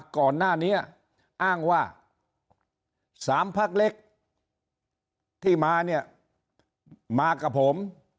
ก่อนหน้านี้อ้างว่า๓พักเล็กที่มาเนี่ยมากับผม